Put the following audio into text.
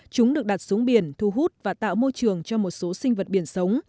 chúng được đặt xuống biển thu hút và tạo môi trường cho một số sinh vật biển sống